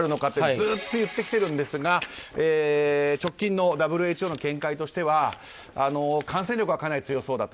ずっと言ってきているんですが直近のＷＨＯの見解としては感染力はかなり強そうだと。